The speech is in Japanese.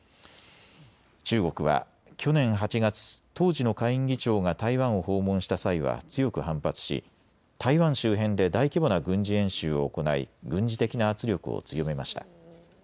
中国は去年８月、当時の下院議長が台湾を訪問した際は強く反発し台湾周辺で大規模な軍事演習を行い軍事的な圧力を強めました。